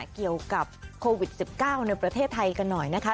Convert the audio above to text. เกี่ยวกับโควิด๑๙ในประเทศไทยกันหน่อยนะคะ